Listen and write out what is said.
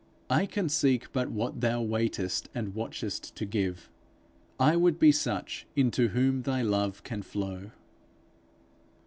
I can seek but what thou waitest and watchest to give: I would be such into whom thy love can flow.'